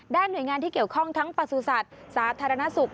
หน่วยงานที่เกี่ยวข้องทั้งประสุทธิ์สาธารณสุข